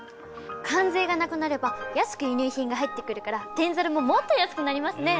関税がなくなれば安く輸入品が入ってくるから天ざるももっと安くなりますね。